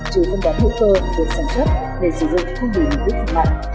chỉ phân bón hữu cơ được sản xuất để sử dụng không bị mục đích khủng hoảng